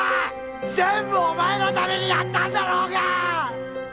全部お前のためにやったんだろうが！